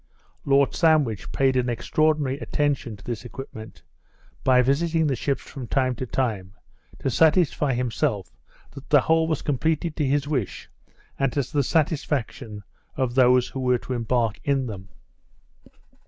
Lord Sandwich paid an extraordinary attention to this equipment, by visiting the ships from time to time, to satisfy himself that the whole was completed to his wish, and to the satisfaction of those who were to embark in them.